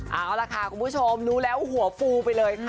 เอาล่ะค่ะคุณผู้ชมรู้แล้วหัวฟูไปเลยค่ะ